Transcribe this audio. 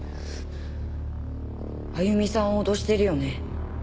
あゆみさんを脅してるよね？